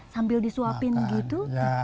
sambil disuapin gitu